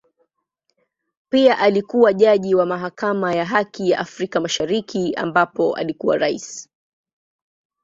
Pia alikua jaji wa Mahakama ya Haki ya Afrika Mashariki ambapo alikuwa Rais.